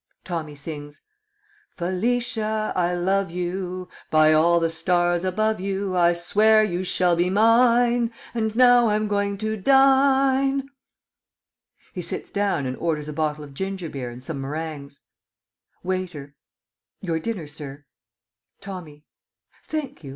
_ Tommy sings: Felicia, I love you, By all the stars above you I swear you shall be mine! And now I'm going to dine. [He sits down and orders a bottle of ginger beer and some meringues. Waiter. Your dinner, Sir. Tommy. Thank you.